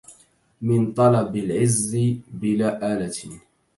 من طلب العز بلا آلة